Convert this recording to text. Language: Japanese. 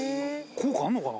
効果あるのかな？